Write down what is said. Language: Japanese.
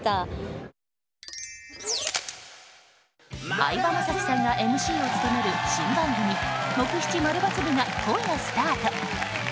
相葉雅紀さんがＭＣを務める新番組「木７◎×部」が今夜スタート。